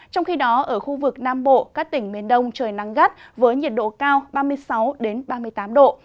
trong khi đó ở khu vực nam bộ các tỉnh miền đông trời nắng gắt với nhiệt độ cao ba mươi sáu ba mươi tám độ